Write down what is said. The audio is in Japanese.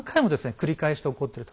繰り返して起こってると。